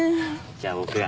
じゃあ僕が。